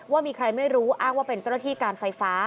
ว่ามีใครไม่รู้อ้างว่าเป็นเจ้าหน้าที่การไฟฟ้า